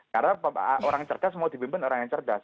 karena orang cerdas mau dibimpin orang yang cerdas